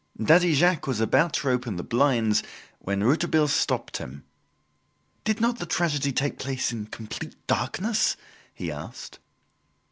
Daddy Jacques was about to open the blinds when Rouletabille stopped him. "Did not the tragedy take place in complete darkness?" he asked.